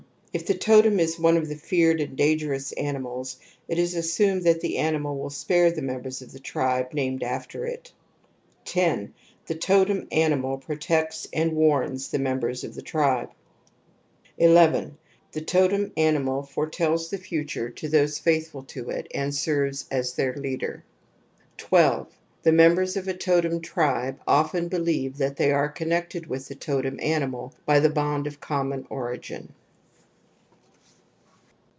If the totem is one of the feared and dangerous animals it is assumed that the animal will spare the members of the tribe named after it, \ J« INFANTILE RECURBENCE OF TOTEMISM 169 10. The totem animal protects and warns the members of the tribe. 11. The totem animal foretells the future to those faithful to it and serves as their leader. 12. The members of a totem tribe often be • lieve that they are connected with the totem animal by the bond of common origih.